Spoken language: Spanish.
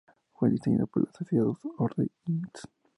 Fue diseñado por los Asociados Odell, Inc.